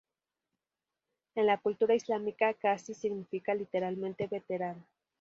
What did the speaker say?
En la cultura islámica, "ghazi" significa literalmente ‘veterano’.